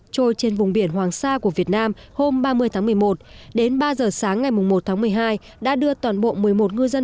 trôi trên vùng biển hoàng sa của việt nam hôm ba mươi tháng một mươi một đến ba giờ sáng ngày một tháng một mươi hai đã đưa toàn bộ một mươi một ngư dân